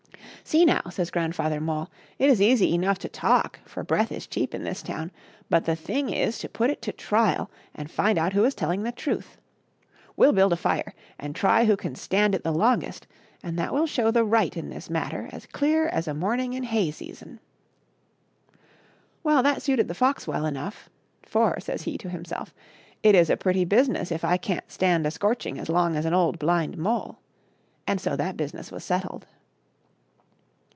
" See now," says Grandfather Mole, " it is easy enough to talk, for breath is cheap in this town, but the thing is to put it to trial and find 86 COUSIN GREYLEGS AND GRANDFATHER MOLE. out who is telling the truth. We'll build a fire and try who can stand it the longest, and that will show the right in this matter as clear as a rooming in hay season." Well, that suited the fox well enough, " for," says he to himself, " it is a pretty business if I can't stand a scorching as long as an old blind mole ;*' and so that business was settled.